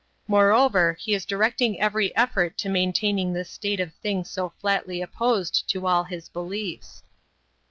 Moreover he is directing every effort to maintaining this state of things so flatly opposed to all his beliefs.